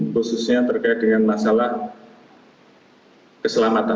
khususnya terkait dengan masalah keselamatan